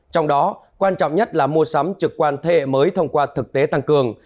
trong đó quan trọng nhất là mua sắm trực quan thế hệ mới thông qua thực tế tăng cường